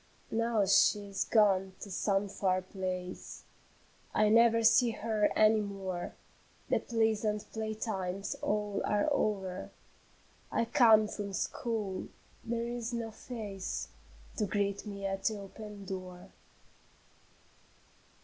Now she is gone to some far place; I never see her any more, The pleasant play times all are o'er; I come from school, there is no face To greet me at the open door.